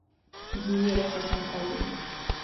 იგივეა, რაც ასომთავრული.